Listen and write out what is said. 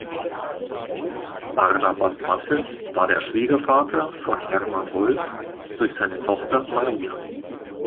Barnabas Mattes war der Schwiegervater von German Wolf durch seine Tochter "Maria".